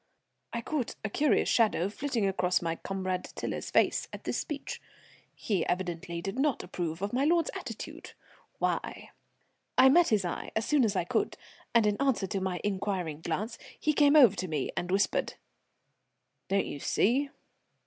I caught a curious shadow flitting across my comrade Tiler's face at this speech. He evidently did not approve of my lord's attitude. Why? I met his eye as soon as I could, and, in answer to my inquiring glance, he came over to me and whispered: "Don't you see?